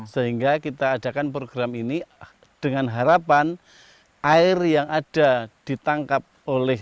sehingga kita adakan program ini dengan harapan air yang ada ditangkap oleh